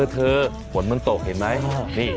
เธอฝนมันตกเห็นไหม